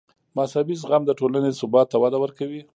مذهبي زغم د ټولنې ثبات ته وده ورکوي.